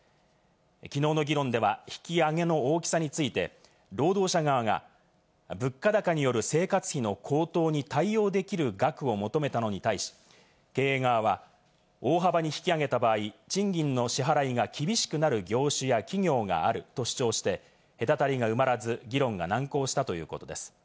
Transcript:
きのうの議論では、引き上げの大きさについて労働者側が、物価高による生活費の高騰に対応できる額を求めたのに対し、経営側は大幅に引き上げた場合、賃金の支払いが厳しくなる業種や企業があると主張して隔たりが埋まらず、議論が難航したということです。